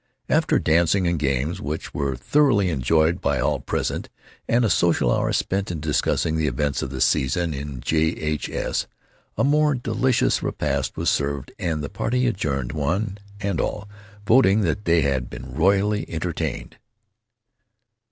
After dancing and games, which were thoroughly enjoyed by all present, and a social hour spent in discussing the events of the season in J. H. S., a most delicious repast was served and the party adjourned, one and all voting that they had been royally entertained.